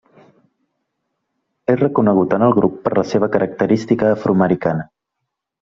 És reconegut en el grup per la seva característica afroamericana.